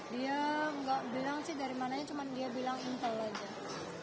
dia gak bilang sih dari mananya cuman dia bilang intel lagi